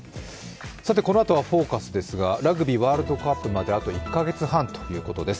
このあとは「ＦＯＣＵＳ」ですがラグビーワールドカップまであと１か月半ということです。